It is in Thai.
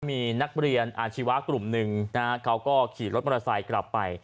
มีนักเรียนอาชีวะกลุ่มหนึ่งนะฮะเขาก็ขี่รถมอเตอร์ไซค์กลับไป